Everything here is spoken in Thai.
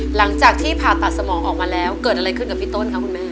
หลังจากที่ผ่าตัดสมองออกมาแล้วเกิดอะไรขึ้นกับพี่ต้นคะคุณแม่